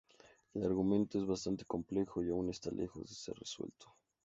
El argumento es bastante complejo y aún está lejos de ser resuelto.